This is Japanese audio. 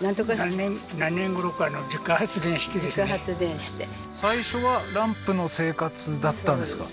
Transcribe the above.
なんとか発電自家発電して最初はランプの生活だったんですか？